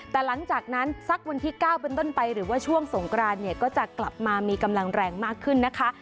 แต่หลังจากนั้นสักวันที่๙เป็นต้นไปหรือว่าช่วงสงกรานเนี่ยก็จะกลับมามีกำลังแรงมากขึ้นนะคะ